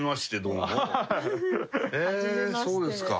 そうですか。